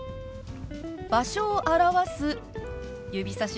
場所を表す指さしです。